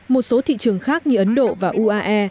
một số thị trường khác như ấn độ và uae